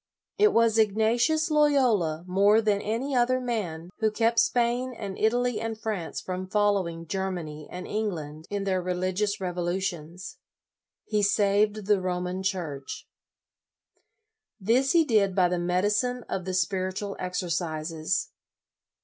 It was Ignatius Loyola, more than any other man, who kept Spain and Italy and France from following Germany and England in their reli gious revolutions. He saved the Roman Church. This he did by the medicine of the Spiritual Exercises.